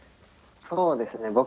そうですね